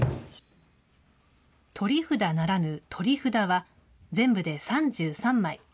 取り札ならぬ、鳥札は、全部で３３枚。